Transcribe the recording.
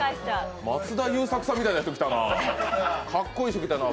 松田優作さんみたいな人、来たな。